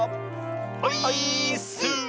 オイーッス！